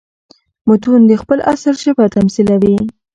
متون د خپل عصر ژبه تميثلوي.